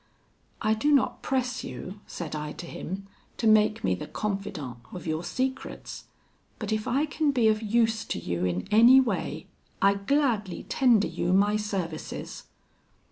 "I do not press you," said I to him, "to make me the confidant of your secrets; but if I can be of use to you in any way, I gladly tender you my services."